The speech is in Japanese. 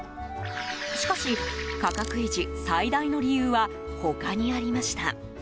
しかし、価格維持最大の理由は他にありました。